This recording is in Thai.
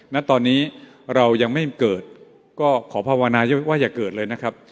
ณตอนนี้เรายังไม่เกิดก็ขอภาวนาว่าอย่าเกิดเลยนะครับ